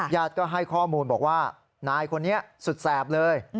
ญาติก็ให้ข้อมูลบอกว่านายคนนี้สุดแสบเลย